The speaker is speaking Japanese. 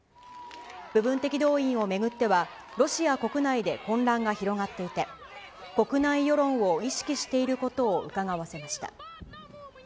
部分的動員を巡っては、ロシア国内で混乱が広がっていて、国内世論を意識していることをうかがわせました。